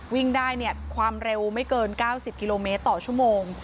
วิ่งได้ความเร็วไม่เกิน๙๐กิโลเมตรต่อชั่วโมง